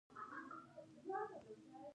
ایا زه باید مور شم؟